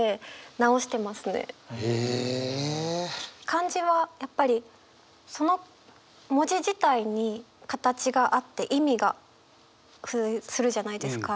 漢字はやっぱりその文字自体に形があって意味が付随するじゃないですか。